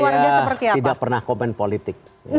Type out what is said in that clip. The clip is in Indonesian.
keluarga saya tidak pernah komen politik